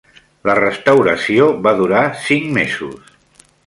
La restauració va durar cinc mesos.